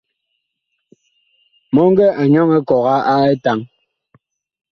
Mɔŋgɛ a nyɔŋ ekɔga a etaŋ.